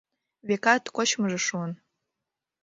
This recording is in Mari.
Векат, кочмыжо шуын.